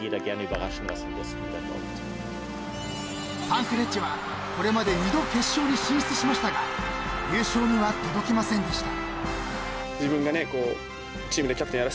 ［サンフレッチェはこれまで二度決勝に進出しましたが優勝には届きませんでした］